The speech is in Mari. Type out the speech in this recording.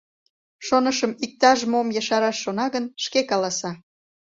Шонышым, иктаж-мом ешараш шона гын, шке каласа.